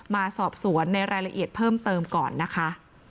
มาสอบสวนในรายละเอียดเพิ่มเติมก่อนนะคะ